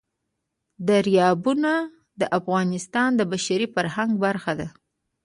دریابونه د افغانستان د بشري فرهنګ برخه ده.